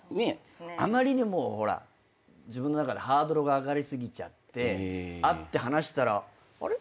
あまりにもほら自分の中でハードルが上がり過ぎて会って話したらあれ？